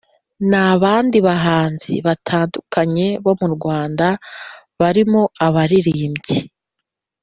n’abandi bahanzi batandukanye bo mu rwanda barimo abaririmbyi,